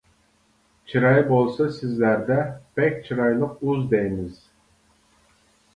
چىراي بولسا سىزلەردە، بەك چىرايلىق ‹ئۇز› دەيمىز.